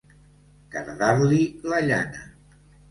Cardar-li la llana.